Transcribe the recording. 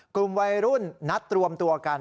กลุ่มวัยรุ่นนัดรวมตัวกัน